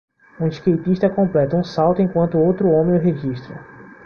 Um skatista completa um salto enquanto outro homem o registra.